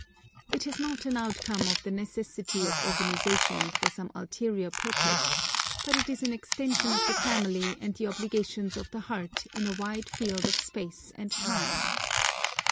It is not an outcome of the necessity of organisation for some ulterior purpose, but it is an extension of the family and the obligations of the heart in a wide field of space and time.